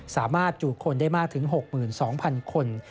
สามารถจูบคนได้มากถึง๖๒๐๐๐คน